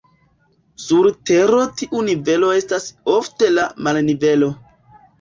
Sur Tero tiu nivelo estas ofte la marnivelo.